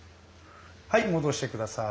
はい戻して下さい。